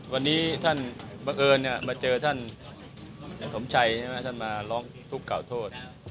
วันนี้ท่านบังเอิญมาเจอท่านสมชัยใช่ไหมท่านมาร้องทุกข์กล่าวโทษ